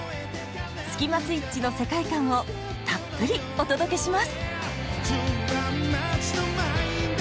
スキマスイッチの世界観をたっぷりお届けします！